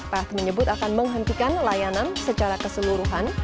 plt menyebut akan menghentikan layanan secara keseluruhan